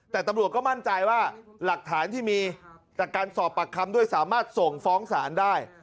แต่ตำรวจก็มั่นใจว่าหลักฐานที่มีจากการสอบปากคำด้วยสามารถส่งฟ้องศาลได้